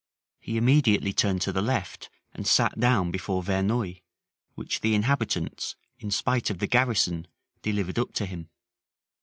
He immediately turned to the left, and sat down before Verneuil, which the inhabitants, in spite of the garrison, delivered up to him.